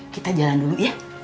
kita jalan dulu ya